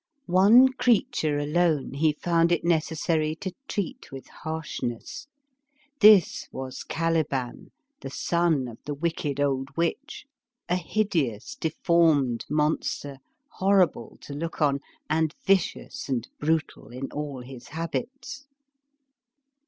One creature alone he found it necessary to treat with harshness : this was Caliban, the son of the wicked old witch, a hideous, deformed monster, horrible to look on, and vicious and brutal in all his habits.